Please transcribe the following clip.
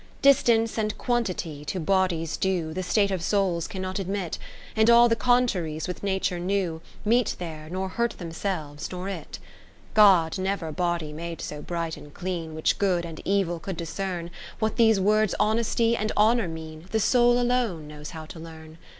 VIII Distance and Quantity, to bodies due, The state of souls cannot admit ; And all the contraries which Nature knew 31 Meet there, nor hurt themselves, nor it. IX God never body made so bright and clean, Which Good and Evil could dis cern : What these words Honesty and Honour mean, The soul alone knows how to learn.